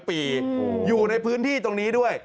ปีอยู่ในพื้นที่ตรงนี้ด้วย